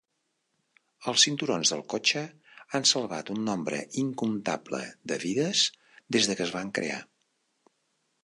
Els cinturons del cotxe han salvat un nombre incomptable de vides des que es van crear.